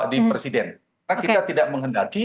di presiden karena kita tidak menghendaki